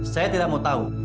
saya tidak mau tahu